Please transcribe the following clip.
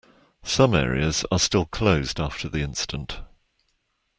Some areas are still closed after the incident.